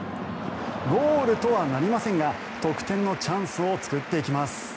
ゴールとはなりませんが得点のチャンスを作っていきます。